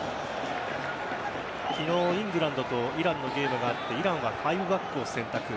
昨日イングランドとイランのゲームがあってイランは５バックを選択。